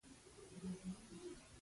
کېله د وزن زیاتولو کې مرسته کوي.